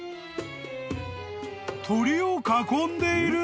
［鳥を囲んでいる？］